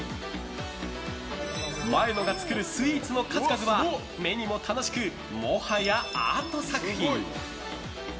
前野が作るスイーツの数々は目にも楽しく、もはやアート作品。